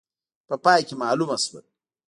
په پای کې معلومه شول.